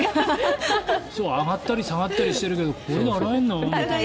上がったり下がったりしてるけどこれで洗えるのかなって。